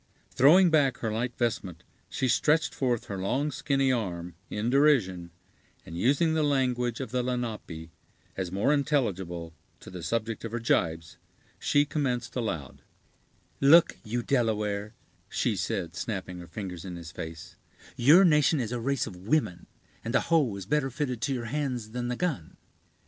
Throwing back her light vestment, she stretched forth her long, skinny arm, in derision, and using the language of the Lenape, as more intelligible to the subject of her gibes, she commenced aloud: "Look you, Delaware," she said, snapping her fingers in his face; "your nation is a race of women, and the hoe is better fitted to your hands than the gun.